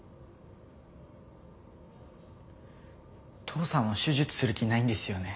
父さんは手術する気ないんですよね？